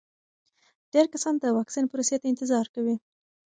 ډېر کسان د واکسین پروسې ته انتظار کوي.